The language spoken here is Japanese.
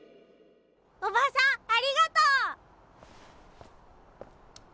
おばさんありがとう！